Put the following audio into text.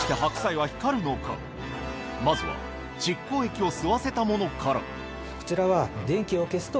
まずは蓄光液を吸わせたものからこちらは。